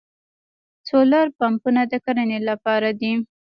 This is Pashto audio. سولر پمپونه د کرنې لپاره دي.